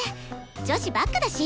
女子ばっかだし！